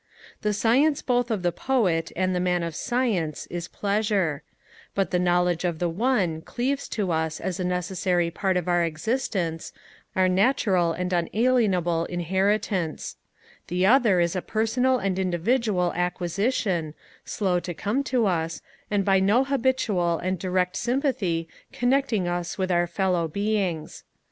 The knowledge both of the Poet and the Man of science is pleasure; but the knowledge of the one cleaves to us as a necessary part of our existence, our natural and unalienable inheritance; the other is a personal and individual acquisition, slow to come to us, and by no habitual and direct sympathy connecting us with our fellow beings.